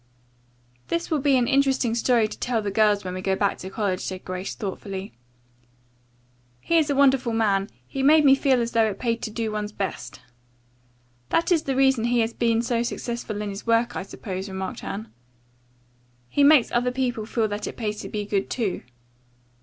"That will be an interesting story to tell the girls when we go back to college," said Grace thoughtfully. "He is a wonderful man, he made me feel as though it paid to do one's best." "That is the reason he has been so successful in his work, I suppose," remarked Anne. "He makes other people feel that it pays to be good, too."